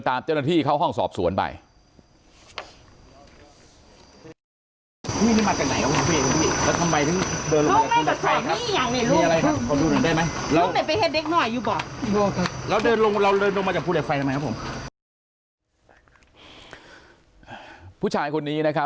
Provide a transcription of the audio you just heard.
เจ้าหน้าที่เข้าห้องสอบสวนไป